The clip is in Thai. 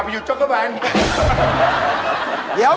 อาจไม่รู้